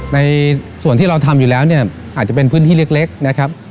ในส่วนที่เราทำอยู่แล้วเนี่ยอาจจะเป็นพื้นที่เล็กนะครับ